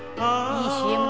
いいＣＭ。